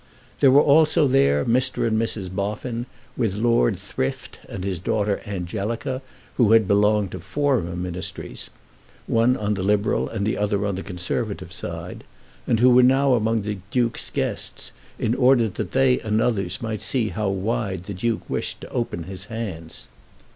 There were also there Mr. and Mrs. Boffin, with Lord Thrift and his daughter Angelica, who had belonged to former Ministries, one on the Liberal and the other on the Conservative side, and who were now among the Duke's guests, in order that they and others might see how wide the Duke wished to open his hands.